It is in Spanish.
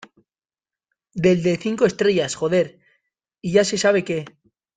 del de cinco estrellas, joder. y ya se sabe que